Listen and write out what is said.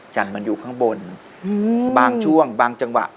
จันทร์มันอยู่ข้างบนบางช่วงบางจังหวะ